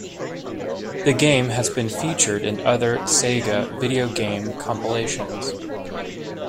The game has been featured in other Sega video game compilations.